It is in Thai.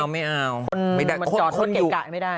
ไม่เอาคนจอดรถเกะกะไม่ได้